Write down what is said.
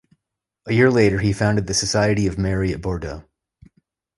A year later, he founded the Society of Mary at Bordeaux.